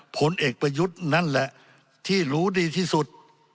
ผลเอกประยุทธ์นั่นแหละที่รู้ดีที่สุด